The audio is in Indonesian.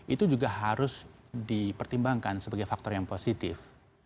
itu juga harus dipertimbangkan sebagai faktor yang positif